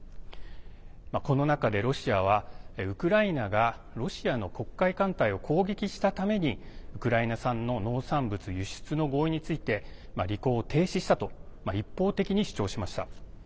この中で、ロシアはウクライナがロシアの黒海艦隊を攻撃したためにウクライナ産の農産物輸出の合意について履行を停止したと一方的に主張しました。